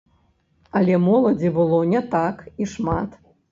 Але моладзі было не так і шмат.